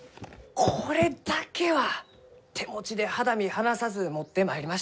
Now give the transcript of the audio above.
これだけは手持ちで肌身離さず持ってまいりました！